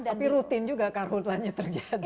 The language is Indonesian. tapi rutin juga karhutlahnya terjadi